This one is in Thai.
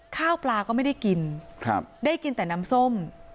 ข้าวปลาก็ไม่ได้กินได้กินแต่น้ำส้ม